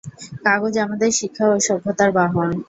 কাগজ আমাদের শিক্ষা ও সভ্যতার বাহন।